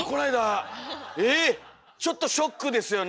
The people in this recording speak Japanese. ちょっとショックですよね。